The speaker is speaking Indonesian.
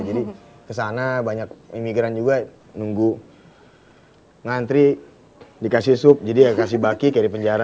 jadi kesana banyak imigran juga nunggu ngantri dikasih sup jadi ya kasih baki kayak di penjara